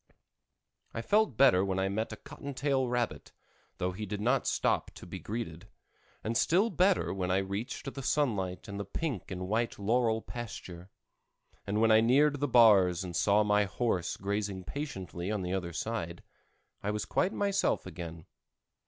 I felt better when I met a cotton tail rabbit, though he did not stop to be greeted; and still better when I reached the sunlight and the pink and white laurel pasture; and when I neared the bars and saw my horse grazing patiently on the other side, I was quite myself again.